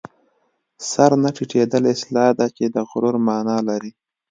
سر نه ټیټېدل اصطلاح ده چې د غرور مانا لري